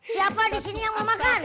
siapa disini yang mau makan